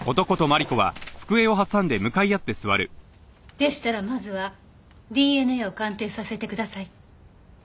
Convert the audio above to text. でしたらまずはＤＮＡを鑑定させてください。